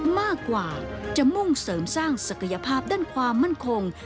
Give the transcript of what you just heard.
มากกว่าจะมุ่งเสริมสร้างศักยภาพด้านความมั่นคง